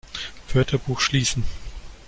Wörterbuch schließen!